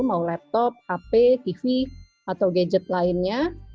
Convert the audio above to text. mau laptop hp tv atau gadget lainnya